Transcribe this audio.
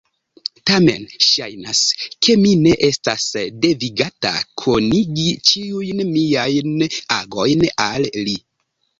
Tamen ŝajnas, ke mi ne estas devigata konigi ĉiujn miajn agojn al li.